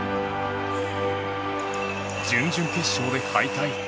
準々決勝で敗退。